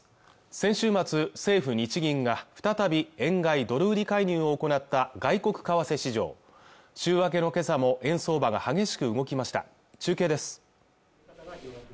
先週末、政府・日銀が再び円買いドル売り介入を行った外国為替市場週明けの今朝も円相場が激しく動きました中継です